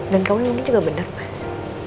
dan kamu mungkin juga benar mas